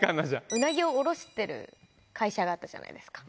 うなぎを卸してる会社があったじゃないですか。